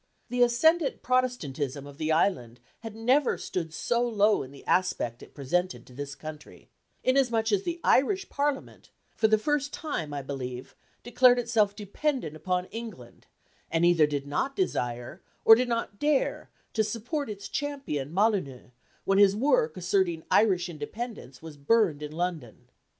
The ascendant Protestantism of the island had never stood so low in the aspect it presented to this country; inasmuch as the Irish Parliament, for the first time, I believe, declared itself dependent upon England, and either did not desire, or did not dare, to support its champion Molyneux, when his work asserting Irish independence was burned in London.